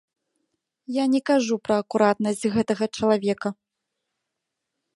Я не кажу пра акуратнасць гэтага чалавека.